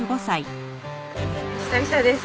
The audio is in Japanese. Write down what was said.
久々です。